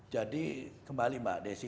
jadi kembali mbak desy